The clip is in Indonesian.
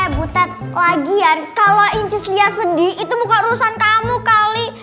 eh butet lagian kalau incis lihat sedih itu bukan urusan kamu kali